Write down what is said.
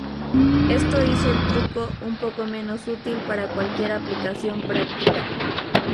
Esto hizo el "truco" un poco menos útil para cualquier aplicación práctica.